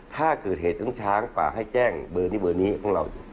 ถ้าเกิดเหตุของช้างปากให้แจ้งเบอร์นี้ของเรา